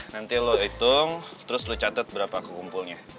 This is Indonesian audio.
nanti lo hitung terus lo catat berapa aku kumpulnya